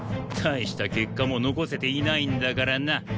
大した結果も残せていないんだからな。